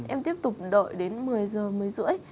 em tiếp tục đợi đến một mươi giờ một mươi rưỡi